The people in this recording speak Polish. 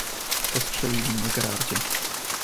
"Postrzelili mnie, Gerardzie."